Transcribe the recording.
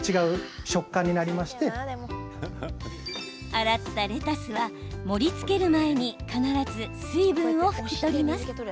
洗ったレタスは、盛りつける前に必ず水分を拭き取ります。